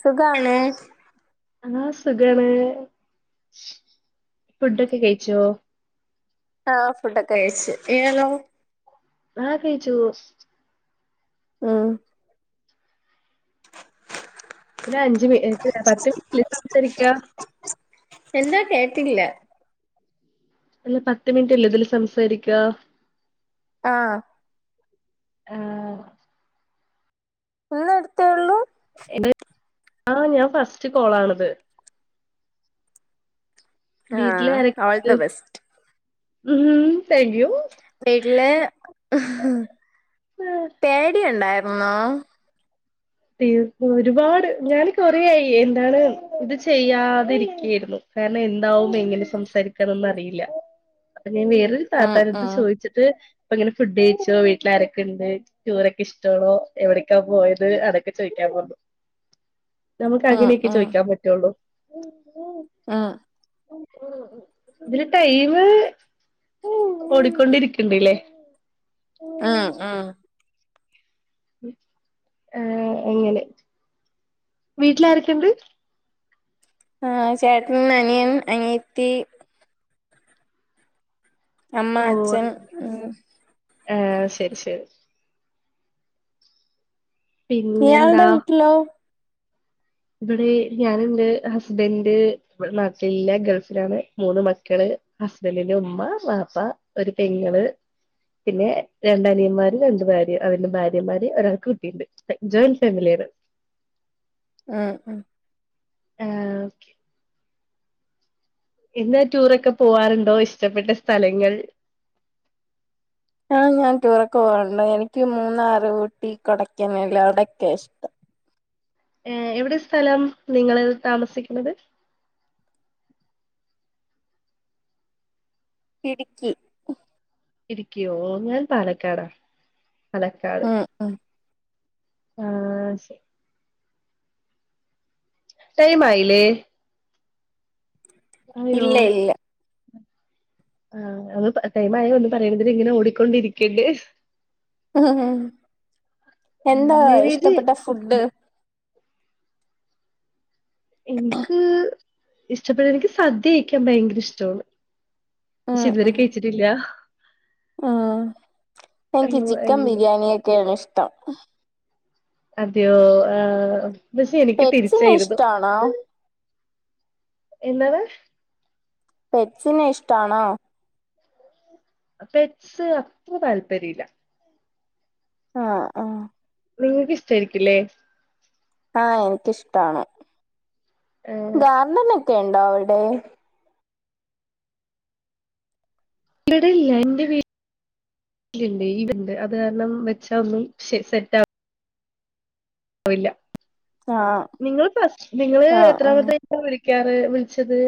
സുഖാണ് ആഹ് സുഖാണ് ഫുഡൊക്കെ കഴിച്ചോ ആഹ് ഫുഡൊക്കെ കഴിച്ച് ഇയ്യാലോ ആഹ് കഴിച്ചൂ ഉം പിന്നെ അഞ്ച് മി [unintelligible] പത്ത് മിനിറ്റില് സംസാരിക്ക എന്താ കേട്ടില്ലാ അല്ല പത്ത് മിനിറ്റല്ലേ ഇതില് സംസാരിക്കാ ആഹ് ആഹ് ഇന്നെട്ത്തേള്ളൂ ഇത് ആഹ് ഞാൻ ഫസ്റ്റ് കോളാണ്ത് വീട്ട്ല് ആഹ് ഓൾ ദ ബെസ്റ്റ് [unintelligible] വീട്ടില് ആഹ് പേടിയുണ്ടാര് [unintelligible] ഈ ഒരുപാട് ഞാന് കൊറേആയി, എന്താണ് ഇത് ചെയ്യാതിരികേരുന്നു. കാരണം എന്താവും പെങ്ങനെ സംസാരിക്കാന്നോന്നും അറിയില്ല. ഞാൻ വേറൊരു ഉം താത്താന്റെട്ത്ത് ഉം ചോയിച്ചിട്ട് ഇപ്പൊങ്ങനെ ഫുഡ് ഴിച്ചോ, വീട്ടിൽ ആരൊക്കെണ്ട്, ടൂറൊക്കെ ഇഷ്ടാണോ, എവിടക്കാ പോയത്, അതൊക്കെ ചോയിക്കാൻ പോ നമുക്ക് ഉം അങ്ങനെയൊക്കെ ഉം ചോദിക്കാൻ പറ്റുള്ളൂ ഉം [unintelligible] ഇതില് ടൈംമ് ഓടിക്കൊണ്ടിരിക്ക്ണ്ട്ല്ലേ ആഹ ഹാ ആഹ അങ്ങനെ വീട്ടിൽ ആരൊക്കെണ്ട്? ആഹ ചേട്ടനും അനിയൻ അനിയത്തി അമ്മ അച്ഛൻ ഉം ആഹ ശെരി ശെരി ഇയാൾ ടെ പിന്നെന്താ വീട്ടിലോ? വടെ ഞാനിണ്ട് ഹസ്ബൻഡ് വടനാട്ടിലില്ല ഗൾഫിലാണ് മൂന്ന് മക്കള് ഹസ്ബന്റിന്റെ ഉമ്മ വാപ്പ ഒരു പെങ്ങള് പിന്നെ രണ്ട് അനിയന്മാര്, രണ്ടു ഭാര്യ, അവരുടെ ഭാര്യമാര്, ഒരാൾക്ക് കുട്ടിണ്ട്. ജോയിന്റ് [unintelligible] ഉും ആഹആഓക്കെ എന്ന് റ്റുറൊക്കെ പോവാറുണ്ടോ? ഇഷ്ടപ്പെട്ട സ്ഥലങ്ങൾ? ആഹ ഞാൻ ടൂറൊക്കെ പോകാറുണ്ട് എനിക്ക് മൂന്നാറ് ഊട്ടി കൊടക്കനാൽ അവിടൊക്കെ ഇഷ്ടം. ഏ എവിടെ സ്ഥലം നിങ്ങള് താമസിക്ക് ണത്? ഇടുക്കി ഉം ഇടുക്കിയോ ഓ ഞാൻ പാലക്കാടാ ഉും അഹ ആഹ ശെരി. ടൈംമായില്ലേ? അയ്യോഓ ഇല്ല ഇല്ല ആഹാ ങ്ങൾ പ ടൈമായ ഒന്നും പറയണം ഇതില് ഇങ്ങനെ ഓടിക്കൊണ്ടിരിക്കല്ലെ ഹും ഉം എന്താ മാര്യേജ് ഇഷ്ടപ്പെട്ട ഫുഡ്ഡ്? എനിക്ക് ഇഷ്ടപ്പെടണങ്കി സദ്യ കഴിക്കാൻ ഭയങ്കര ഇഷ്ടമാണ്. ഉം ക്ഷെ ഇതുവരെ ഉം കഴിച്ചിട്ടില്ല. ഉം എനിക്ക് ചിക്കൻ അങ്ങനെ ബിരിയാണി ഒക്കെയണിഷ്ടം. അതെയോ ആ പക്ഷെ എനിക്ക് പെറ്റ്സിനെ തിരിച്ചായിരുന്നു ഇഷ്ടാണോ എന്താണ് [unintelligible] ഇഷ്ടാണോ? പെറ്റ്സ് അത്ര താല്പര്യല്ല ആ ആ നിങ്ങക്ക് ഇഷ്ടായിരിക്കല്ലേ ആ എനിക്കിഷ്ടാണ് ആഹ് ഗാർഡനൊക്കെ ണ്ടോ അവിടെ? ഇവടെ ഇല്ല എന്റെ വീ [unintelligible] ഇത് ഇണ്ട് അത് കാരണം വെച്ചാ ഒന്നും ശെ സെറ്റാ ആവില്ല ആഹ് നിങ്ങ ഫ നിങ്ങള് ആഹ് ആഹ് എത്രാമത്തെ ിക്കറ് വിളിച്ചത്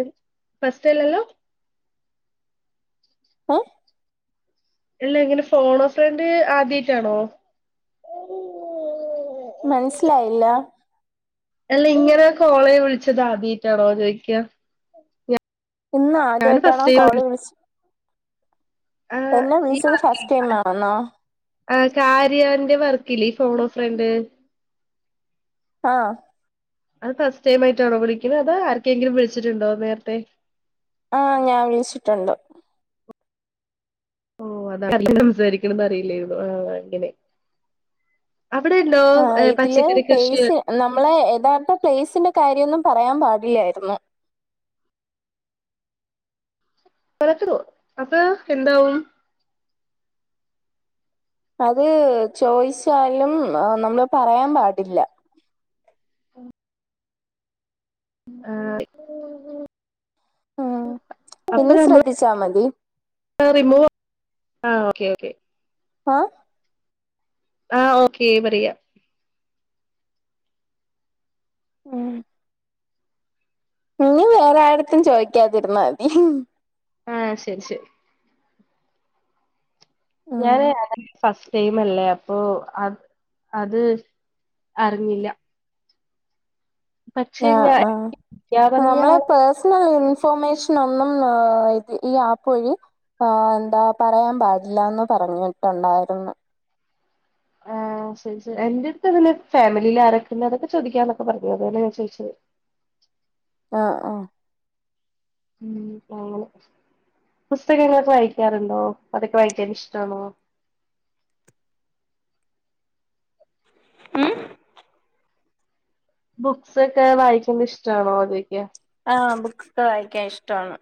ഫസ്റ്റ്ല്ലല്ലോ ഓ ഇല്ല എങ്ങനെ ഫോണോഫ്രണ്ട് ആദ്യായ്ട്ടാണോ മനസ്സിലായില്ല അല്ല ഇങ്ങനെ കോളേ വിളിച്ചത് ആദ്യായ്ട്ടാണോ ചോയിക്ക. ഇന്ന് ആദ്യായിട്ടാണോ കോള് വിളിച് ആഹ്! വിളിച്ചത് ഫസ്റ്റ് ടൈം [unintelligible] ആണെന്നോ ആഹ് അത് ഫസ്റ്റ് ടൈമായിട്ടാണോ വിളിക്ക്ണെ അതോ ആർക്കെങ്കിലും വിളിച്ചിട്ടുണ്ടോ നേര്ത്തെ ആഹ് ഞാൻ വിളിച്ചിട്ടുണ്ട് ഓഹ് അതാ [unintelligible] സംസാരിക്കണതറില്ലേര്ന്നു ആഹ് അങ്ങനെ അവിടെ ഉണ്ടോ ആഹ് ഇതില് പച്ചക്കറി കൃഷി പെയ്സ് നമ്മളെ യഥാർത്ഥ പ്ലെയ്സിന്റെ കാര്യയൊന്നും പറയാൻ പാടില്ലാരുന്നു [unintelligible] അത് എന്താവും അത് ചോയിച്ചാലും ഉം ആഹ് നമ്മള് പറയാ പാടില്ല ആഹ് ഉം [unintelligible] അപ്പ ഇനി ശ്രദ്ധിച്ചാ മതി നമ്മളെ റിമൂവ് ആഹ് ഓക്കേ ഓക്കേ ആഹ് ആഹ് ഓക്കേ പറിയാ ഉം ഇഞ്ഞി വേറെ ആരട്ത്തും ചോയ്ക്കാതിരുന്നാതി ആഹ് ശരി ശരി ഞാന് [unintelligible] സെയ്മല്ലേ അപ്പൊ അത് അത് അറിഞ്ഞില്ല. പക്ഷെ ആ ഞാ ആഹ് ഞാൻ പറഞ്ഞ നമ്മളെ ആള് പേഴസണൽ ഇൻഫോർമേഷൻ ഒന്നും ഇത് ഈ ആപ്പ് വഴി ആ എന്താ പറയാൻ പാടില്ലാന്ന് പറഞ്ഞിട്ടുണ്ടായിരുന്നു ആ ആ കസിൻസ് എന്റെ അടുത്ത് പിന്നെ ഫാമിലി ആരൊക്കെണ്ട് അതൊക്കെ ചോദിക്കാന്നൊക്കെ പറഞ്ഞു അതെ ഞാൻ ചോദിച്ചത് ആഹ് ആഹ് ഉം അങ്ങനെ പുസ്തകങ്ങളൊക്കെ വായിക്കാറുണ്ടോ അതൊക്കെ വായിക്കാൻ ഇഷ്ടാണോ ഉം ബുക്സ് ഒക്കെ വായിക്കെണ് ഇഷ്ടാണോ ചോയ്ക്ക ആ ബുക്സ്ക്കെ വായിക്കാൻ ഇഷ്ടാണ്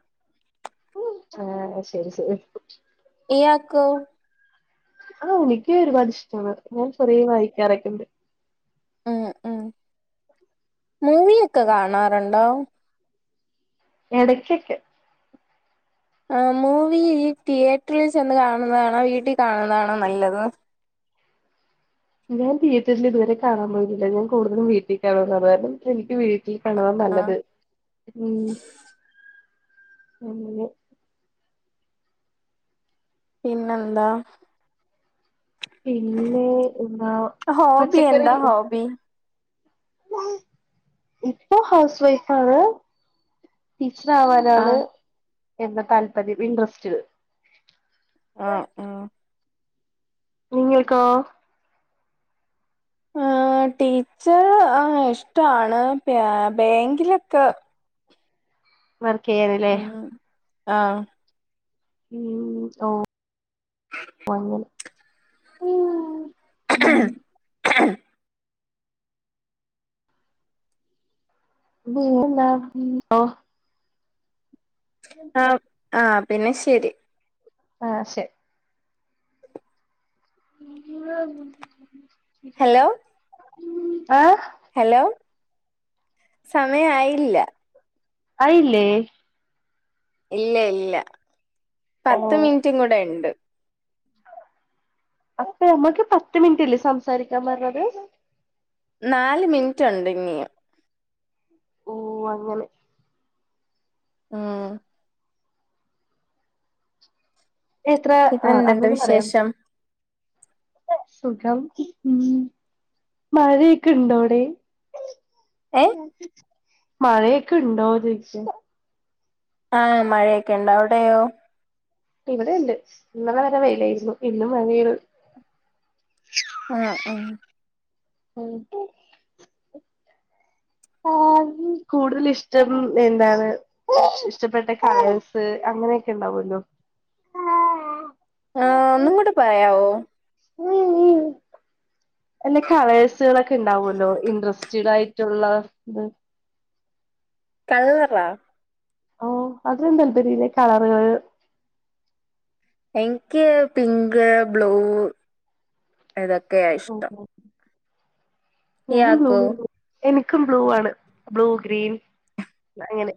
ഉം ആഹ് ശരി ശരി ഇയാക്കോ ഔ ഇൻക്ക് ഒരുപാട് ഇഷ്ടമാണ് ഞാൻ ചെറിയ വായിക്കാറൊക്കെണ്ട് ഉം ഉം മൂവി ഒക്കെ കാണാറുണ്ടോ എടക്കേക്കെ ആ മൂവി ഈ തിയേറ്ററിൽ ചെന്ന് കാണുന്നതാണോ വീട്ടിൽ കാണുന്നതാണോ നല്ലത് ഞാൻ തിയേറ്ററിൽ ഇതുവരെ കാണാൻ പോയിട്ടില്ല ഞാൻ കൂടുതും വീട്ടിൽ കാണാറാണ് എനിക്കി വീ കാണവാൻ ആഹ് നല്ലത് ഉം അങ്ങെ പിന്നെന്താ പിന്നെ എന്താ ഹോബി പച്ചക്കറി എന്താ ഹോബി ഇപ്പൊ ഹൗസ് വൈഫ് ആണ് സാവാനാണ് ആഹ് എൻ്റെ താല്പര്യം ഇൻട്രസ്റ്റ് ആ ഉം നിങ്ങക്കോ ആ ടീച്ചർ ആ ഇഷ്ടാണ് പി ബാങ്കിലൊക്കെ വർക്ക് എയ്യണില്ലേ ആ മ് ഓ അങ്ങനെ ഉം പിന്നെന്താ ഉം ഓ ആ ആഹ് പിന്നെ ശരി ആഹ് ശരി [unintelligible] ഹലോ ആഹ് ഹലോ, സമയായില്ല. ആയില്ലേ? ഇല്ല ഇല്ല, ഓ പത്ത് മിനിറ്റും കൂടെ ഇണ്ട്. അപ്പൊ മ്മക്ക് പത്ത് മിനിറ്റല്ലേ സംസാരിക്കാൻ പറഞ്ഞത്. നാല് മിനിറ്റ് ഉണ്ട് ഇനിയും. ഓ അങ്ങനെ ആഹ് എത്ര പിന്നെ എന്തുണ്ട് അതൊന്ന് പറയാം വിശേഷം സുഖം ഉം മഴയൊക്കെ ഉണ്ടോടെ ഏഹ് മഴയൊക്കെ ഉണ്ടോന്ന് ചോദിച്ചേ ആഹ് മഴയൊക്കെ ഉണ്ട് അവിടെയോ? ഇവിടെയുണ്ട് ഇന്നലെ വരെ വെയിലായിരുന്നു ഇന്ന് മഴയാണ്. ആഹ് ആഹ് [unintelligible] ആ [unintelligible] കൂടുതൽ ഇഷ്ടം എന്താണ്? ഇഷ്ടപ്പെട്ട കളേഴ്സ്. അങ്ങനെയൊക്കെ ഉണ്ടാവല്ലോ ആ ഒന്നും കൂടെ പറയാവോ ഉം ഉം ഉം എല്ല കളേഴ്സുകളൊക്കെ ഉണ്ടാവല്ലോ ഇന്ററസ്റ്റഡ് ആയിട്ടുള്ള ഇത്. കള്ളറ ഓ അതിലൊന്നും താല്പര്യല്ല കളറ്കൾ എനിക്ക് പിങ്ക് ബ്ലൂ ഇതൊക്കെയ ഇഷ്ടം ഞാനും ഇയാക്കോ ബ്ലൂവാണ് എനിക്കും ബ്ലൂവാണ് ബ്ലൂ ഗ്രീൻ അങ്ങനെ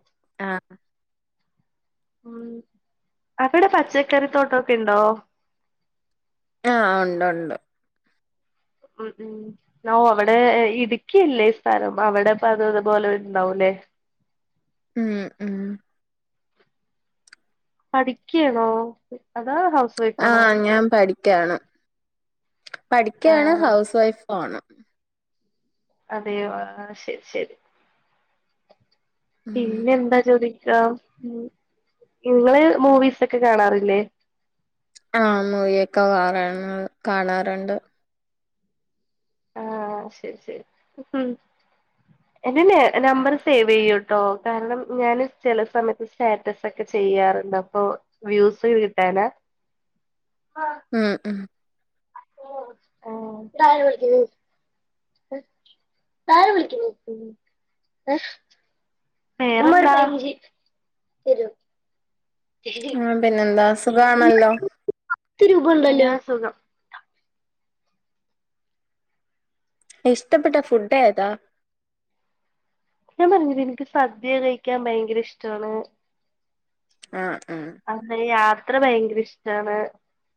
ആഹ ഉം അവിടെ പച്ചക്കറിത്തോട്ടൊക്കെ ഉണ്ടോ ആഹ് ഒണ്ട് ഒണ്ട് ഉം ഉം ഒ അവിടെ ഇടുക്കിയല്ലേ സ്ഥലം അവിടെപ്പ അത അതുപോലെ ഉണ്ടാവുല്ലേ ഉം ഉം പഠിക്കയാണോ അതോ ഹൗസ് വൈഫാണോ ക്കയാണ് പഠിക്കയാണ് ആഹ് ഹൗസ് വൈഫും ആണ് അതെയോ ആ ശരി ശരി ഉം പിന്നെന്താ ചോദി ക്കൊ ഉം നിങ്ങള് മൂവീസൊക്കെ കാണാറില്ലേ ആഹ മൂവിയൊക്കെ കാറാണ് കാണാറുണ്ട് ആഹ ശരി ശരി എന്റെ നെ നമ്പർ സേവ് ചെയ്യൂട്ടോ കാരണം ഞാൻ ചില സമയത്ത് സ്റ്റാറ്റസ് ഒക്കെ ചെ ചെയ്യാറുണ്ട് അപ്പൊ വ്യൂസ് കിട്ടാന ഉം ഉം [inaudible] ഉം [unintelligible] ആ പിന്നെന്താ സുഖമാണല്ലോ തിരുപണ്ടല്ലോ അസുഖം ഇഷ്ടപ്പെട്ട ഫുഡ് ഏതാ ഞാൻ പറഞ്ഞത് എനിക്ക് സദ്യ കഴിക്കാൻ ഭയങ്കര ഇഷ്ടമാണ് ആ അ യാത്ര ഭയങ്കര ഇഷ്ടാണ്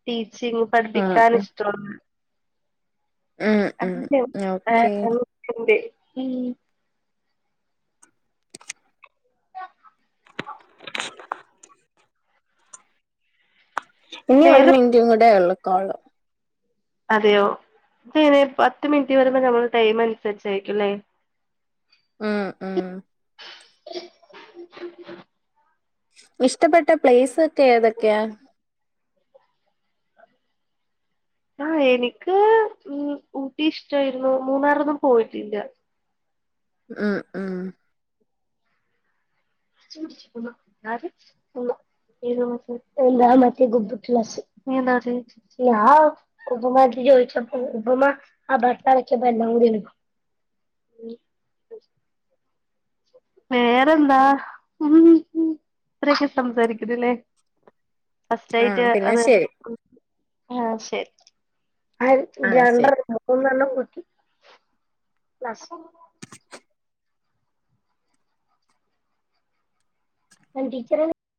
ടീ ചിങ് ആഹ് പഠിപ്പിക്കാൻ ആഹ് ഇഷ്ടാണ് ഉം ഉം ഓക്കെ [inaudible] [inaudible] ഇനി ഒരു വേറെ മിനിറ്റും കൂടെ ഉള്ളക്കോള്ളൂ അതെയോ പത്ത് മിനിറ്റ് വരുമ്പോ നമ്മൾ ടൈം അനുസരിച്ചായിരിക്കുംല്ലേ ഉം ഉം [inaudible] ഇഷ്ടപ്പെട്ട പ്ലേസ് ഒക്കെ ഏതൊക്കെയാ ആ എനിക്ക് ഉം ഊട്ടി ഇഷ്ടായിരുന്നു മൂന്നാറൊന്നും പോയിട്ടില്ല ഉം ഉം [unintelligible] ആര് ഏതാ ക്ലാസ് [unintelligible] ആ [unintelligible] [unintelligible] ഉം വേറെന്താ ഉം ഇത്രയൊക്കെ സംസാരിക്കുന്ന്ല്ലേ ഫസ്റ്റ് ആഹ് ആയിട്ട് പിന്നെ അത് ശരി ആഹ് ശരി ആഹ് കേ ശരി അ ീച്ചറ